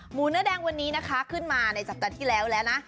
เนื้อแดงวันนี้นะคะขึ้นมาในสัปดาห์ที่แล้วแล้วนะ